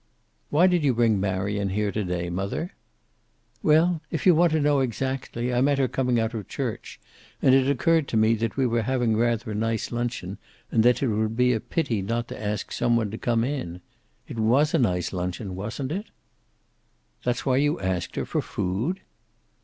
"Why did you bring Marion here to day, mother?" "Well, if you want to know exactly, I met her coming out of church, and it occurred to me that we were having rather a nice luncheon, and that it would be a pity not to ask some one to come in. It was a nice luncheon, wasn't it?" "That's why you asked her? For food?"